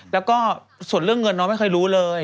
แล้วก็ส่วนเรื่องเงินน้องไม่เคยรู้เลย